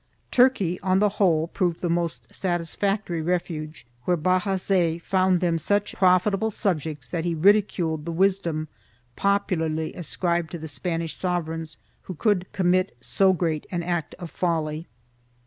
2 Turkey, on the whole, proved the most satisfactory refuge, where Bajazet found them such profitable subjects that he ridiculed the wisdom popularly ascribed to the Spanish sovereigns who could commit so great an act of folly.